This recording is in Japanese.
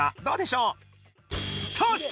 どうでしょう？